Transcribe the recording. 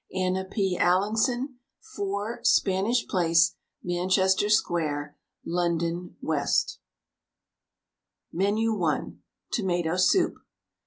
Anna P. Allinson. 4, Spanish Place, Manchester Square, London, W. MENU I. TOMATO SOUP.